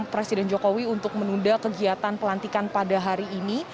presiden jokowi untuk menunda kegiatan pelantikan pada hari ini